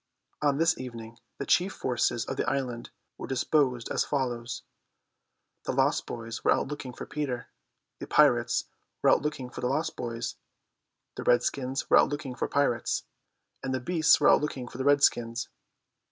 On this evening the chief forces of the island were disposed as follows. The lost boys were out looking for Peter, the pirates were out looking for the lost boys, the redskins were out looking for the pirates, and the beasts were out looking for the redskins.